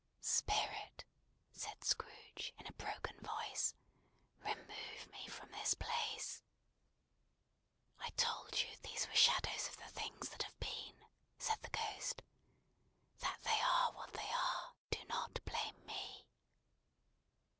"Spirit!" said Scrooge in a broken voice, "remove me from this place." "I told you these were shadows of the things that have been," said the Ghost. "That they are what they are, do not blame me!"